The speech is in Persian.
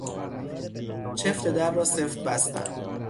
چفت در را سفت بستن